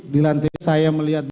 di lantai saya melihat